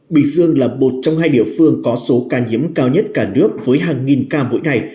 bình dương là một trong hai địa phương có số ca nhiễm cao nhất cả nước với hàng nghìn ca mỗi ngày